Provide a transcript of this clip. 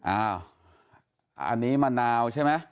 อันนี้มะนาวใช่ไหม